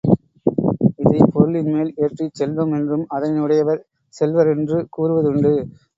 இதைப் பொருளின் மேல் ஏற்றிச் செல்வம் என்றும், அதனையுடையவர் செல்வர் என்று கூறுவதுண்டு.